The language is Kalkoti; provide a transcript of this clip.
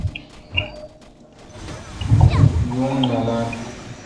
یون نالان۔